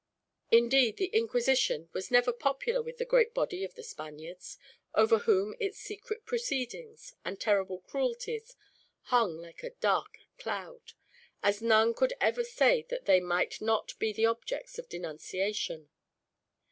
Indeed, the Inquisition was never popular with the great body of the Spaniards; over whom its secret proceedings, and terrible cruelties, hung like a dark cloud, as none could ever say that they might not be the objects of denunciation.